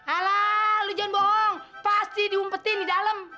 ala lu jangan bohong pasti diumpetin di dalam